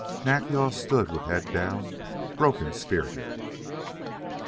Nack yal stood with head down, broken spirited.